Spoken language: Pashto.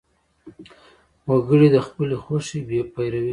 وګړي د خپلې خوښې پیروي کوي.